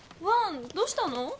ワンどうしたの？